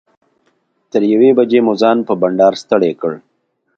تر یوې بجې مو ځان په بنډار ستړی کړ.